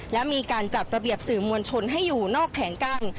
และมีการจัดระเบียบสื่อมวลชนให้อยู่นอกแผงกั้น